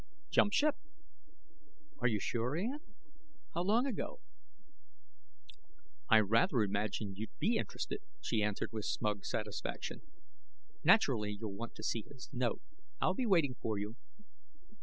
"Jumped ship." "Are you sure, Ann? How long ago?" "I rather imagined you'd be interested," she answered with smug satisfaction. "Naturally you'll want to see his note. I'll be waiting for you."